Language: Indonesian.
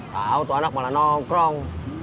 tahu tuh anak malah nongkrong